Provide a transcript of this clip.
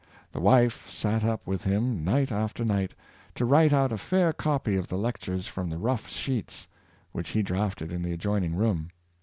His wife sat up with him night after night, to write out a fair copy of the lectures from the rough sheets, which he drafted in the adjoining room.